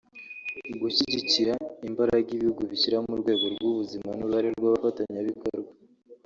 gushyigikira imbaraga ibihugu bishyira mu rwego rw’ubuzima n’uruhare rw’abafatanyabikorwa